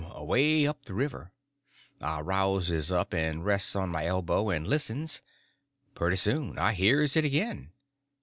away up the river. I rouses up, and rests on my elbow and listens; pretty soon I hears it again.